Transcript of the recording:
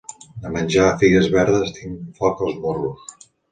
De menjar figues verdes tinc foc als morros.